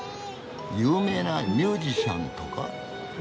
有名なミュージシャンとか？